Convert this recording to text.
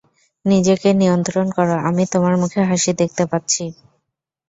নিজেকে নিয়ন্ত্রণ করো, আমি তোমার মুখে হাসি দেখতে পাচ্ছি।